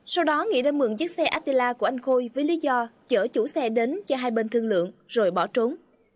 sau đó nghị đã mượn chiếc xe tila của anh khôi với lý do chở chủ xe đến cho hai bên thương lượng rồi bỏ trốn